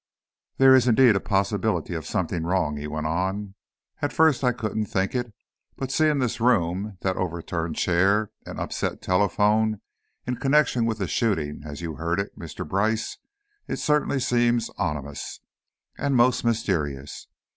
"There is indeed a possibility of something wrong," he went on, "at first I couldn't think it, but seeing this room, that overturned chair and upset telephone, in connection with the shooting, as you heard it, Mr. Brice, it certainly seems ominous. And most mysterious!